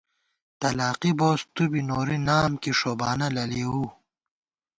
تلاقی بوس تُو بی نوری، نام کی ݭوبانہ نہ لېؤو